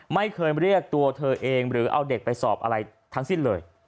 ไม่เคยเรียกตัวเธอเองหรือเอาเด็กไปสอบอะไรทั้งสิ้นเลย